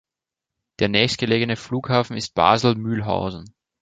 Der nächstgelegene Flughafen ist Basel-Mülhausen.